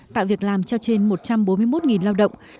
tạo việc làm cho trên một trăm bốn mươi một lao động